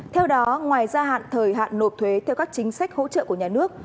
theo đó ngoài gia hạn thời hạn nộp thuế theo các chính sách hỗ trợ của nhà nước